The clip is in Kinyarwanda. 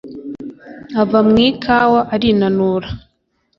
ava mu ikawa arinanura